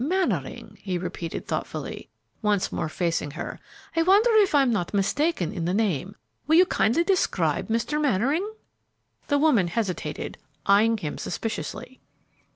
"Mannering," he repeated, thoughtfully, once more facing her; "I wonder if I am not mistaken in the name? Will you kindly describe Mr. Mannering?" The woman hesitated, eying him suspiciously.